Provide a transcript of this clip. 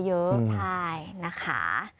ใช่นะคะ